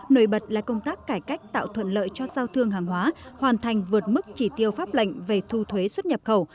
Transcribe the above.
nổi bật là công tác cải cách tạo thuận lợi cho sao thương hàng hóa hoàn thành vượt mức chỉ tiêu pháp lệnh về thu thuế xuất nhập khẩu